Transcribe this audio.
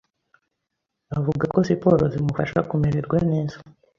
avuga ko siporo zimufasha kumererwa neza